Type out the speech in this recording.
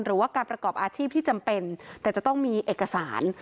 หรือว่าการประกอบอาชีพที่จำเป็นแต่จะต้องมีเอกสาร